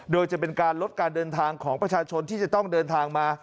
โดยจะเป็นการลดการเดินทางของประชาชนที่จะต้องเดินทางมา